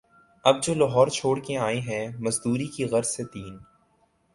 اب جو لاہور چھوڑ کے آئے ہیں، مزدوری کی غرض سے تین